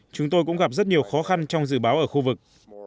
chúng tôi cũng gặp rất nhiều khó khăn trong dự báo ở khu vực